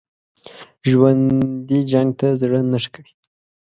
ژوندي جنګ ته زړه نه ښه کوي